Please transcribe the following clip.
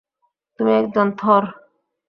তুমি একজন থর।